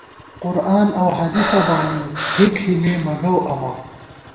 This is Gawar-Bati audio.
قرآن اؤ حدیثہ بالِؤ، ہِک ݪِی مے مہ گوؤ امہ